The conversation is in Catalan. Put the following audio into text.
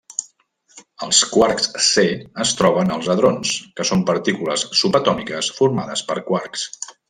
Els quarks c es troben als hadrons, que són partícules subatòmiques formades per quarks.